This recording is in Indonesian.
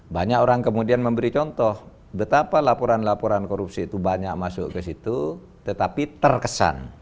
banyak orang kemudian memberi contoh betapa laporan laporan korupsi itu banyak masuk ke situ tetapi terkesan